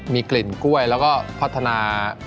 มีกลิ่นกล้วยแล้วก็พัฒนา